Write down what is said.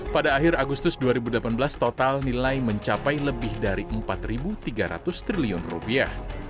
pada akhir agustus dua ribu delapan belas total nilai mencapai lebih dari empat tiga ratus triliun rupiah